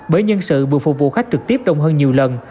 bởi nhân sự vừa phục vụ khách trực tiếp đông hơn nhiều lần